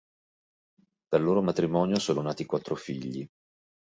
Dal loro matrimonio sono nati quattro figli.